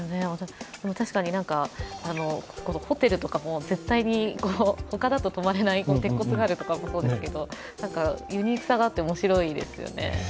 確かにホテルとかも絶対に、他だと泊まれない、鉄骨があるとかもそうですけどユニークさがあって面白いですよね。